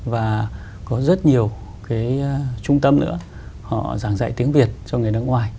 và có rất nhiều cái trung tâm nữa họ giảng dạy tiếng việt cho người nước ngoài